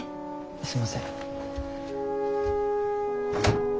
すいません。